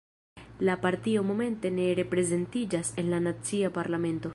La partio momente ne reprezentiĝas en la nacia parlamento.